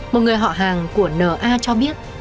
một người họ hàng của n a cho biết